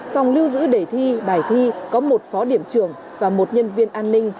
phòng lưu giữ đề thi bài thi có một phó điểm trưởng và một nhân viên an ninh